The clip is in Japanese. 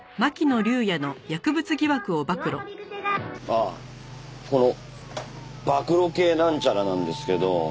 ああこの暴露系なんちゃらなんですけど。